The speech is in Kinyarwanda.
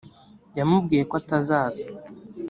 yamubwiye ko atazaza .